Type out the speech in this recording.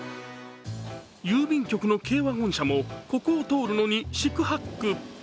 郵便局の軽ワゴン車もここを通るのに四苦八苦。